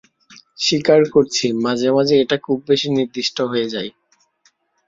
স্বীকার করছি, মাঝে মাঝে এটা খুব বেশি নির্দিষ্ট হয়ে যায়।